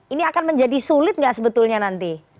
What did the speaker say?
ini akan menjadi sulit nggak sebetulnya nanti